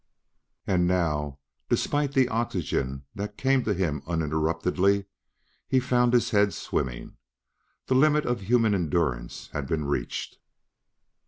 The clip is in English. And now, despite the oxygen that came to him uninterruptedly, he found his head swimming. The limit of human endurance had been reached.